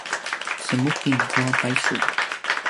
cemuking tua paysu